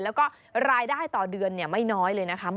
แล้วก็รายได้ต่อเดือนไม่น้อยเลยนะคะ